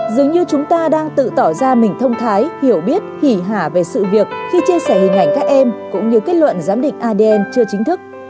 dường như chúng ta đang tự tỏ ra mình thông thái hiểu biết hỉ hà về sự việc khi chia sẻ hình ảnh các em cũng như kết luận giám định adn chưa chính thức